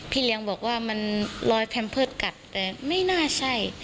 เลี้ยงบอกว่ามันรอยแพมเพิร์ตกัดแต่ไม่น่าใช่